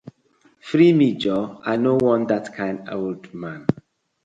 Free me joor, I no wan dat kind old man.